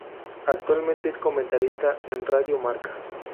Actualmente es comentarista en Radio Marca.